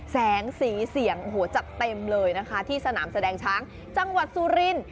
แสงสีเสียงจัดเต็มเลยที่สนามแสดงช้างจังหวัดซูริน